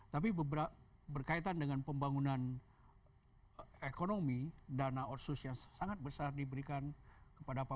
tapi berkaitan dengan pembangunan ekonomi dana otsus yang sangat besar diberikan kepada pemerintah